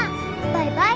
バイバイ。